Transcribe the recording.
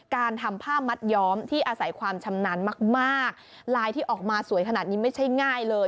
การทำผ้ามัดย้อมที่อาศัยความชำนาญมากมากลายที่ออกมาสวยขนาดนี้ไม่ใช่ง่ายเลย